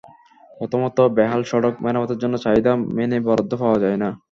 প্রথমত, বেহাল সড়ক মেরামতের জন্য চাহিদা মেনে বরাদ্দ পাওয়া যায় না।